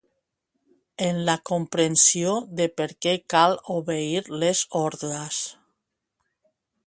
En la comprensió de per què cal obeir les ordres